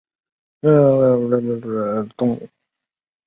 中国平形吸虫为双腔科平形属的动物。